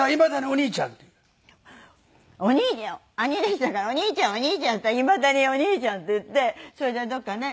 お兄ちゃん兄弟子だから「お兄ちゃんお兄ちゃん」って言ったらいまだに「お兄ちゃん」って言ってそれでどこかね。